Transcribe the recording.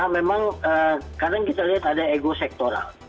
memang kadang kita lihat ada ego sektoral